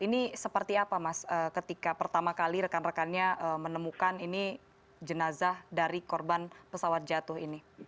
ini seperti apa mas ketika pertama kali rekan rekannya menemukan ini jenazah dari korban pesawat jatuh ini